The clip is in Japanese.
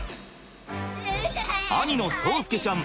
兄の蒼介ちゃん